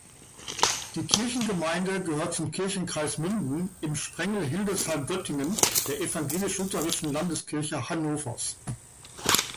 Die Kirchengemeinde gehört zum Kirchenkreis Münden im Sprengel Hildesheim-Göttingen der Evangelisch-lutherischen Landeskirche Hannovers.